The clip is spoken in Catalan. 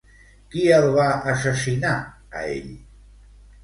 Qui el va assassinar, a ell?